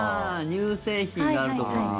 乳製品があるところに。